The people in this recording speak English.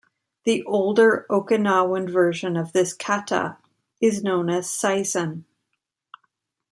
The older Okinawan version of this kata is known as Seisan.